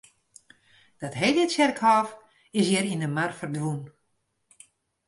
Dat hele tsjerkhôf is hjir yn de mar ferdwûn.